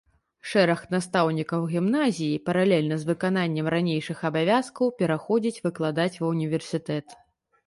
Шэраг настаўнікаў гімназіі, паралельна з выкананнем ранейшых абавязкаў, пераходзіць выкладаць ва ўніверсітэт.